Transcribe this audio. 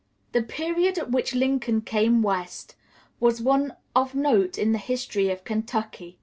] The period at which Lincoln came West was one of note in the history of Kentucky.